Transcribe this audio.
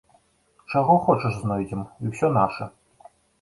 Чаго хочаш знойдзем, і ўсё наша.